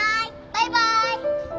バイバイ。